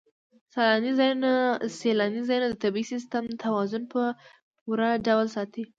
سیلاني ځایونه د طبعي سیسټم توازن په پوره ډول ساتي.